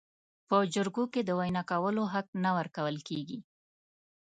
په جرګو کې د وینا کولو حق نه ورکول کیږي.